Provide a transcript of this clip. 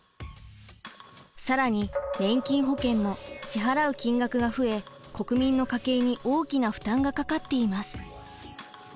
更に年金保険も支払う金額が増え国民の家計に大きな負担がかかっています。